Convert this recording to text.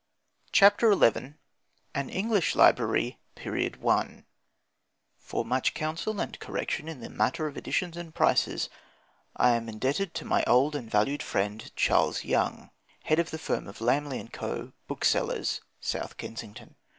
CHAPTER XI AN ENGLISH LIBRARY: PERIOD I [For much counsel and correction in the matter of editions and prices I am indebted to my old and valued friend, Charles Young, head of the firm of Lamley & Co., booksellers, South Kensington.